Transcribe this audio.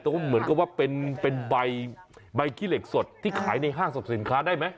เหมือนกับว่าเป็นใบขี้เหล็กสดที่ขายในห้างสรรพสินค้าได้ไหม